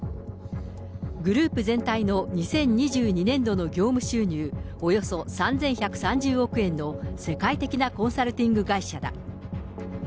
グループ全体の２０２２年度の業務収入、およそ３１３０億円の世界的なコンサルティング会社だ。